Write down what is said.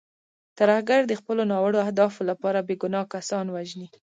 ترهګر د خپلو ناوړو اهدافو لپاره بې ګناه کسان وژني.